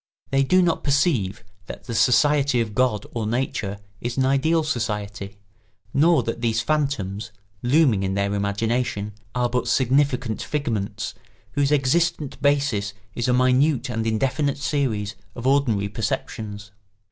They do not perceive that the society of God or Nature is an ideal society, nor that these phantoms, looming in their imagination, are but significant figments whose existent basis is a minute and indefinite series of ordinary perceptions.